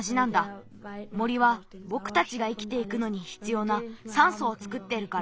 森はぼくたちが生きていくのにひつようなさんそをつくってるから。